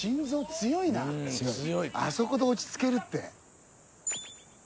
あそこで落ち着けるって。